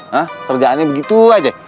hah kerjaannya begitu aja